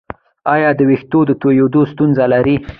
ایا د ویښتو تویدو ستونزه لرئ؟